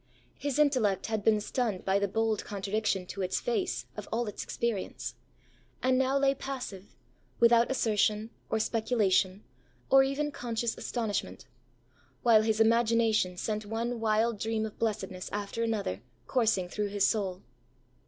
His intellect had been stunned by the bold contradiction, to its face, of all its experience, and now lay passive, without assertion, or speculation, or even conscious astonishment; while his imagination sent one wild dream of blessedness after another coursing through his soul.